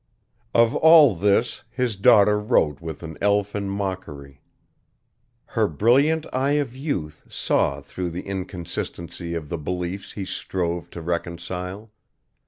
Of all this, his daughter wrote with an elfin mockery. Her brilliant eye of youth saw through the inconsistency of the beliefs he strove to reconcile.